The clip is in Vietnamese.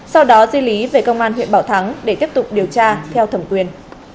sau đó di lý về công an huyện bảo thắng để tiếp tục điều tra theo thẩm quyền